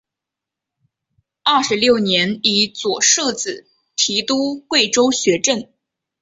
二十六年以左庶子提督贵州学政。